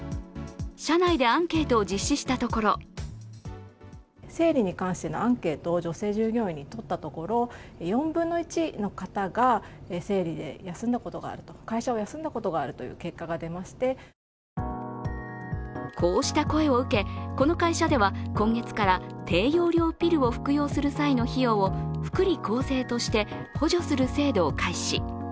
社内でアンケートを実施したところこうした声を受け、この会社では今月から低用量ピルを服用する際の費用を福利厚生として補助する制度を開始。